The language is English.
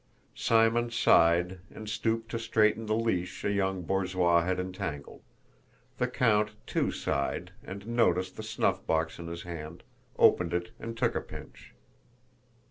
Simon sighed and stooped to straighten the leash a young borzoi had entangled; the count too sighed and, noticing the snuffbox in his hand, opened it and took a pinch.